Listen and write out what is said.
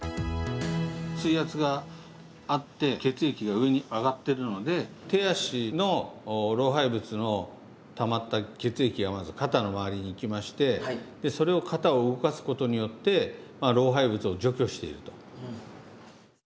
水圧があって血液が上に上がってるので手足の老廃物のたまった血液がまず肩の周りにいきましてそれを肩を動かすことによって老廃物を除去していると。